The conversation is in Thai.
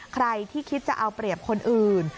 ใครที่คิดจะเอาเปรียบคนอื่น